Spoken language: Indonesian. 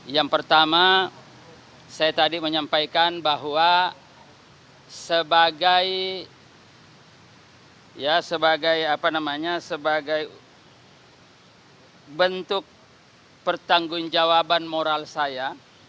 yang pertama saya tadi menyampaikan bahwa sebagai bentuk pertanggungjawaban moral saya